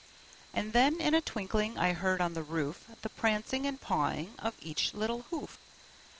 And then, in a twinkling, I heard on the roof The prancing and pawing of each little hoof.